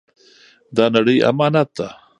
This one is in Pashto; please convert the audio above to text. دا نړۍ امانت ده.